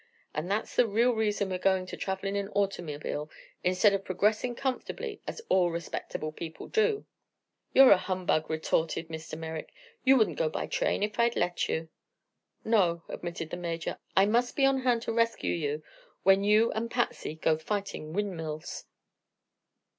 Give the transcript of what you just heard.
And that's the real reason we're going to travel in an automobile instead of progressing comfortably as all respectable people do." "You're a humbug," retorted Mr. Merrick. "You wouldn't go by train if I'd let you." "No," admitted the Major; "I must be on hand to rescue you when you and Patsy go fighting windmills."